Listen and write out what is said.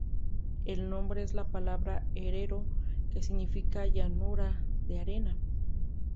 El nombre es la palabra herero que significa "llanura de arena".